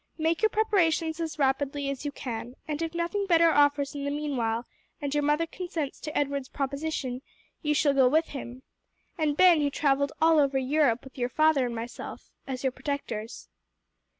Make your preparations as rapidly as you can, and if nothing better offers in the mean while, and your mother consents to Edward's proposition, you shall go with him and Ben who travelled all over Europe with your father and myself as your protectors."